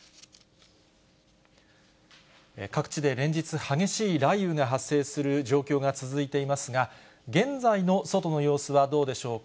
各地で連日、激しい雷雨が発生する状況が続いていますが、現在の外の様子はどうでしょうか。